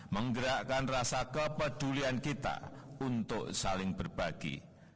menggerakkan rasa kepedulian kita untuk saling berbagi